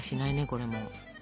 これもう。